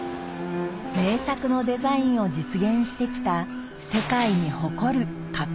名作のデザインを実現してきた世界に誇る加工の技です